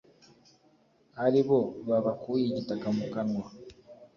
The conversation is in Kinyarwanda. ari bo babakuye igitaka mu kanwa